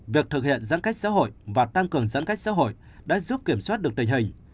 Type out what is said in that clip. việc thực hiện giãn cách xã hội và tăng cường giãn cách xã hội đã giúp kiểm soát được tình hình